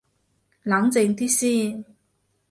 冷靜啲先